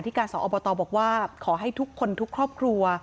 การสอบตบอกว่าขอให้ทุกคนทุกครอบครัว